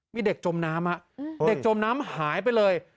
มีเด็กจมน้ำเด็กจมน้ำหายไปเลย